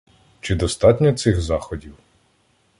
Чи достатньо цих заходів?